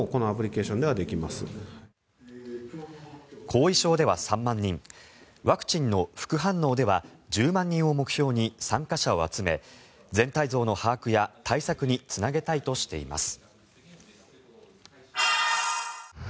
後遺症では３万人ワクチンの副反応では１０万人を目標に参加者を集め全体像の把握や対策につなげたいとしています。